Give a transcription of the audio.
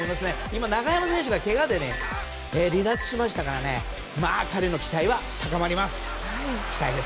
今、中山選手がけがで離脱しましたから彼の期待は高まります。